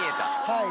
はい。